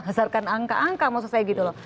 berdasarkan angka angka maksud saya gitu loh